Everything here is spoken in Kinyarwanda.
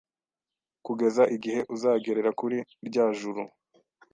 kugeza igihe uzagerera kuri rya juru.